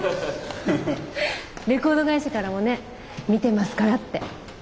レコード会社からもね見てますからって。